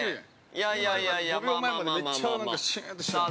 ◆いやいやいやいや、まあまあまあまあ、まあまあ。